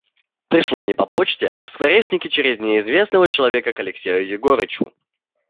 Пришло не по почте, а в Скворешники через неизвестного человека к Алексею Егорычу.